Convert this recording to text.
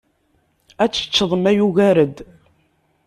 Ad teččeḍ ma yugar-d!